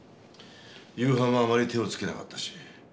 夕飯はあまり手をつけなかったし。